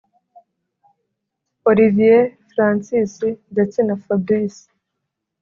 olivier, francis ndetse na fabric